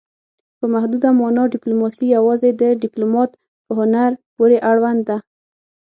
په محدوده مانا ډیپلوماسي یوازې د ډیپلومات په هنر پورې اړوند ده